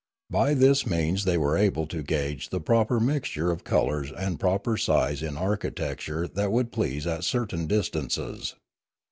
By its means they were able to gauge the proper mixture of colours and proper size in architecture that would please at certain distances.